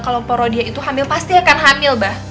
kalau parodia itu hamil pasti akan hamil bah